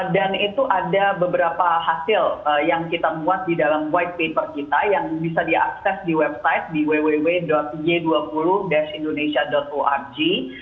dan itu ada beberapa hasil yang kita buat di dalam white paper kita yang bisa diakses di website www g dua puluh indonesia org